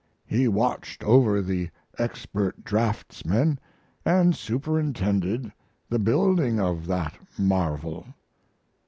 He watched over the expert draftsmen, and superintended the building of that marvel.